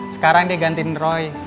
sekarang digantiin roy